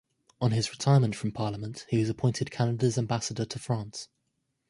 On his retirement from Parliament, he was appointed Canada's Ambassador to France.